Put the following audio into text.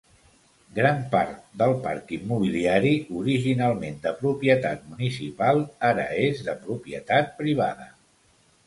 Gran part del parc immobiliari, originalment de propietat municipal, ara és de propietat privada.